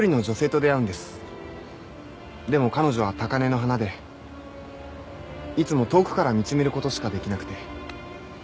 でも彼女は高嶺の花でいつも遠くから見つめることしかできなくて。